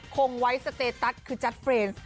คงไว้สเตตัสคือจัดเฟรนซ์